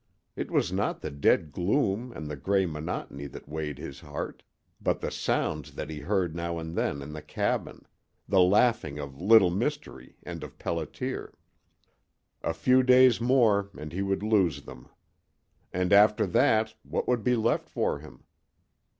It was not the dead gloom and the gray monotony that weighted his heart, but the sounds that he heard now and then in the cabin the laughing of Little Mystery and of Pelliter. A few days more and he would lose them. And after that what would be left for him?